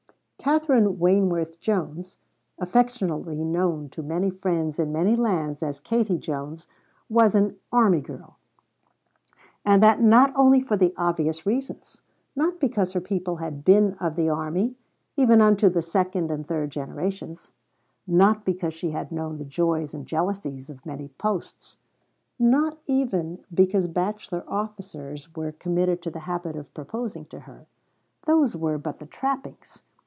Katherine Wayneworth Jones, affectionately known to many friends in many lands as Katie Jones, was an "army girl." And that not only for the obvious reasons: not because her people had been of the army, even unto the second and third generations, not because she had known the joys and jealousies of many posts, not even because bachelor officers were committed to the habit of proposing to her those were but the trappings.